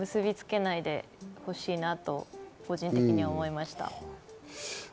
作品と結びつけないでほしいなと個人的に思いました。